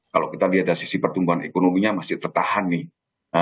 kalau kita lihat dari sisi pertumbuhan ekonominya masih tertahan nih